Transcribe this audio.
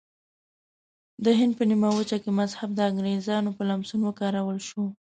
د هند په نیمه وچه کې مذهب د انګریزانو په لمسون وکارول شو.